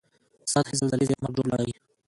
سطحي زلزلې زیاته مرګ ژوبله اړوي